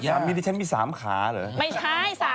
กิวว่าสามมิติฉันมีสามขาเหรอ